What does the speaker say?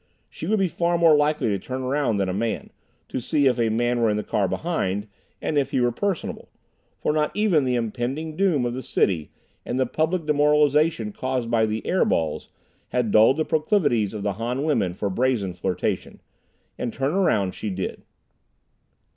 She would be far more likely to turn around than a man, to see if a man were in the car behind, and if he were personable for not even the impending doom of the city and the public demoralization caused by the "air balls" had dulled the proclivities of the Han women for brazen flirtation. And turn around she did.